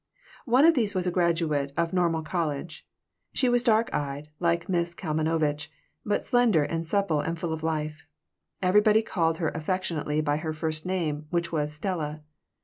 One of these was a graduate of Normal College. She was dark eyed, like Miss Kalmanovitch, but slender and supple and full of life. Everybody called her affectionately by her first name, which was Stella.